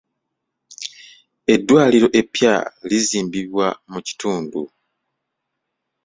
Eddwaliro eppya lizimbibwa mu kitundu.